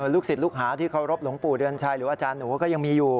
ลูกศิษย์ลูกหาที่เคารพหลวงปู่เดือนชัยหรืออาจารย์หนูก็ยังมีอยู่